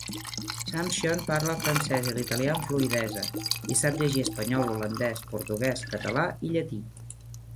Sumption parla el francès i l'italià amb fluïdesa, i sap llegir espanyol, holandès, portuguès, català i llatí.